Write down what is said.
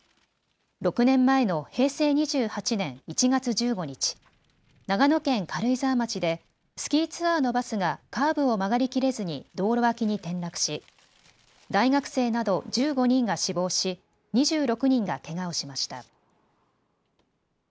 ６年前の平成２８年１月１５日、長野県軽井沢町でスキーツアーのバスがカーブを曲がり切れずに道路脇に転落し大学生など１５人が死亡し２６人がけがをしました。